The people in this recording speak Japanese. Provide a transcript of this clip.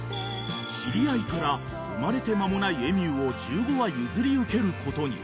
［知り合いから生まれて間もないエミューを１５羽譲り受けることに］